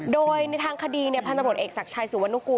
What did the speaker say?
โดยในทางคดีเนี่ยพันธนตรวจเอกศักดิ์ชัยศูนย์วรรณกูล